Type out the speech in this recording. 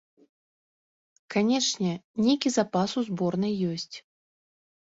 Канечне, нейкі запас у зборнай ёсць.